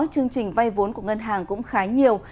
chương trình vay vốn của ngân hàng cũng khá nhiều